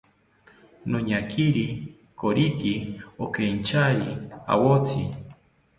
Noñakiri koriki okeinchari awotzi